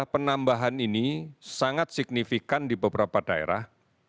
penambahan ini sangat signifikan di beberapa daerah